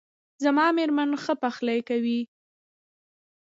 زما میرمن ښه پخلی کوي